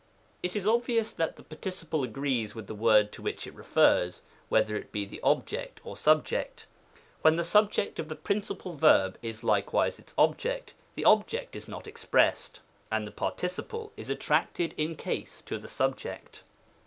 It is obvious that the par ticiple agrees with the word to which it refers — whether it be the object or subject. When the subject of the principal verb is likewise its object, the object is not expressed, and the participle is attracted in case to the subject.